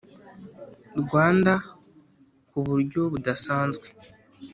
rwanda ku buryo budasanzwe.